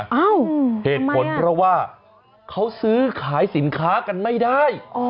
เอ้าเหตุผลเพราะว่าเขาซื้อขายสินค้ากันไม่ได้